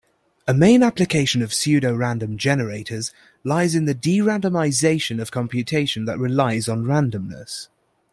A main application of pseudorandom generators lies in the de-randomization of computation that relies on randomness.